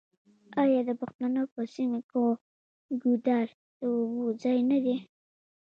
آیا د پښتنو په سیمو کې ګودر د اوبو ځای نه دی؟